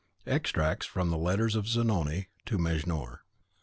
EXTRACTS FROM THE LETTERS OF ZANONI TO MEJNOUR.